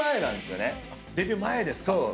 デビュー前ですか。